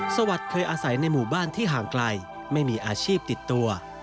สวัสดิ์เคยอาศัยในหมู่บ้านที่ห่างไกลไม่มีอาชีพติดตัว